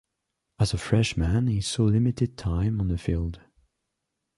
As a freshman he saw limited time on the field.